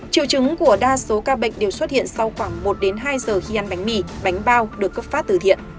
triệu chứng của đa số ca bệnh đều xuất hiện sau khoảng một đến hai giờ khi ăn bánh mì bánh bao được cấp phát từ thiện